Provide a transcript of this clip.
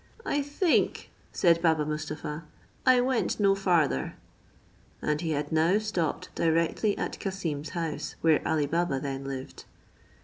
"I think," said Baba Mustapha, "I went no farther," and he had now stopped directly at Cassim's house, where Ali Baba then lived.